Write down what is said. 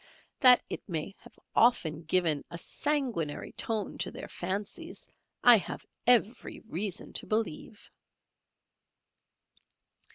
That it may have often given a sanguinary tone to their fancies, I have every reason to believe.